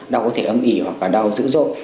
đau có thể âm ỉ hoặc đau dữ dội